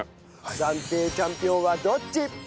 暫定チャンピオンはどっち！？